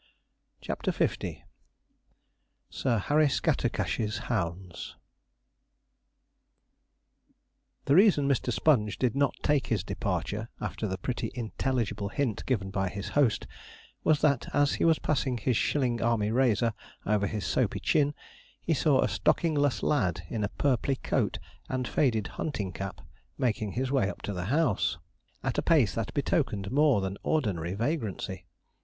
CHAPTER L SIR HARRY SCATTERCASH'S HOUNDS The reason Mr. Sponge did not take his departure, after the pretty intelligible hint given by his host, was that, as he was passing his shilling army razor over his soapy chin, he saw a stockingless lad, in a purply coat and faded hunting cap, making his way up to the house, at a pace that betokened more than ordinary vagrancy.